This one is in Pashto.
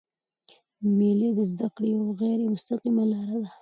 مېلې د زدهکړي یوه غیري مستقیمه لاره ده.